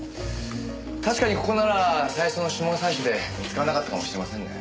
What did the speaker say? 確かにここなら最初の指紋採取で見つからなかったかもしれませんね。